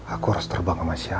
aku harus terbang sama siapa